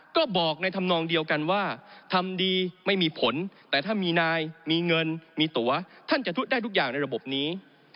ก็บอกในธรรมนองเดียวกันว่าทำดีไม่มีผลแต่ถ้ามีนายมีเงินมีตัวท่านจะได้ทุกอย่างในระบบนี้